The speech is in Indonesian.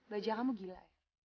belajar kamu gila ya